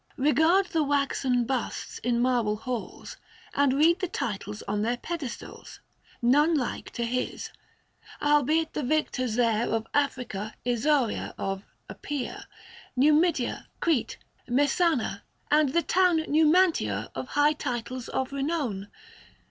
Eegard the waxen busts in marble halls, And read the titles on their pedestals, None like to his. Albeit the victors there Of Africa, Isauria of, appear, 635 Numidia, Crete, Messana, and the town Numantia of; high titles of renown